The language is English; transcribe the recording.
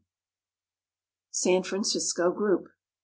SAN FRANCISCO GROUP.